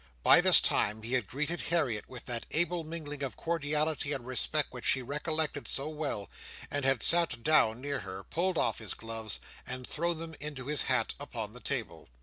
By this time, he had greeted Harriet with that able mingling of cordiality and respect which she recollected so well, and had sat down near her, pulled off his gloves, and thrown them into his hat upon the table.